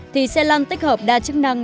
thì xe lăn tích hợp đa chức năng